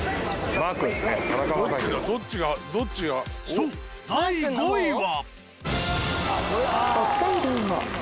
そう第５位は。